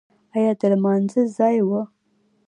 ایا د لمانځه ځای و؟